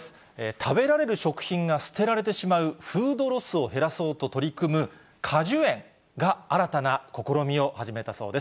食べられる食品が捨てられてしまう、フードロスを減らそうと取り組む果樹園が新たな試みを始めたそうです。